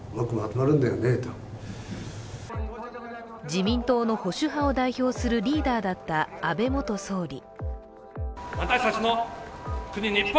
自民党の保守派を代表するリーダーだった安倍元総理。